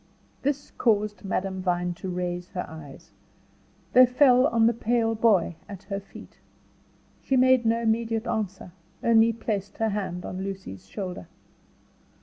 This caused Madame Vine to raise her eyes. They fell on the pale boy at her feet. She made no immediate answer, only placed her hand on Lucy's shoulder.